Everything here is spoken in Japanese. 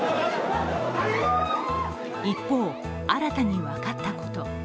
一方、新たに分かったこと。